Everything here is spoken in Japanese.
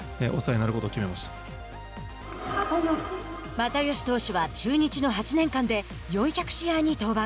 又吉投手は、中日の８年間で４００試合に登板。